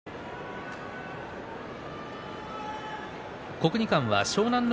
国技館は湘南乃